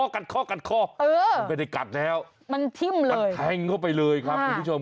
อย่างนี้ไม่ได้กัดแล้วมันทิ้งเลยตะแท่งเข้าไปเลยครับัแล้ว